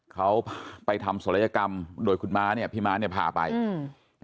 เขาไปทำศัลยกรรมโดยคุณม้าเนี้ยพี่ม้าเนี้ยพาไปอืม